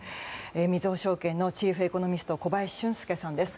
みずほ証券のチーフエコノミスト小林俊介さんです。